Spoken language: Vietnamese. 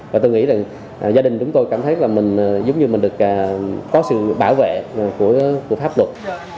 và tôi nghĩ là gia đình chúng tôi cảm thấy là mình giống như mình được có sự bảo vệ của pháp luật